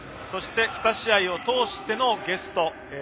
そして、２試合を通してのゲスト。